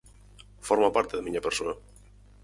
Forma parte da miña persoa.